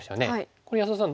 これ安田さん